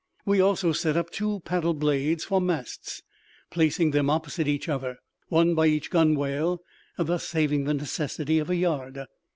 We also set up two paddle blades for masts, placing them opposite each other, one by each gunwale, thus saving the necessity of a yard.